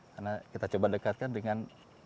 karena kita coba dekatkan dengan